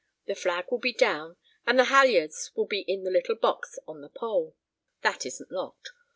The flag will be down, and the halyards will be in the little box on the pole. That isn't locked.